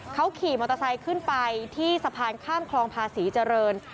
เขาขี่มอเตอร์ไซค์ขึ้นไปที่สะพานข้ามคลองภาษีเจริญ